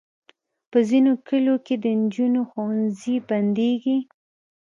په ځینو کلیو کې د انجونو ښوونځي بندېږي.